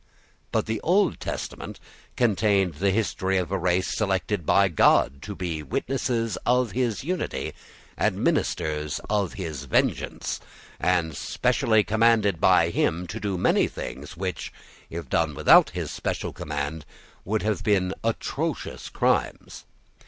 But the Old Testament contained the history of a race selected by God to be witnesses of his unity and ministers of his vengeance, and specially commanded by him to do many things which, if done without his special command, would have been atrocious crimes.